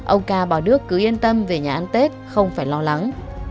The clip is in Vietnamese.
ông ca bảo đước cứ yên tâm về nhà ăn tết không phải lo lắng